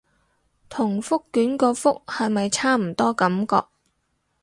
同覆卷個覆係咪差唔多感覺